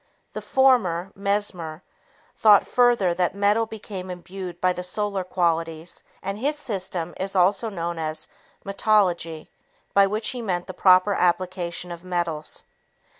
The former (Mesmer) thought further that metal became imbued by the solar qualities, and his system is also known as metalogy by which he meant the proper application of metals.